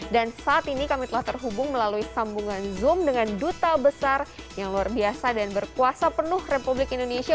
dan saat ini kami telah terhubung melalui sambungan zoom dengan duta besar yang luar biasa dan berkuasa penuh republik indonesia